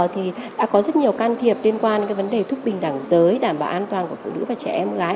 thì đã có rất nhiều can thiệp liên quan đến vấn đề thúc bình đẳng giới đảm bảo an toàn của phụ nữ và trẻ em gái